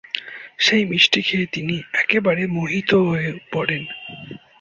সেই মিষ্টি খেয়ে তিনি একেবারে মোহিত হয়ে পড়েন।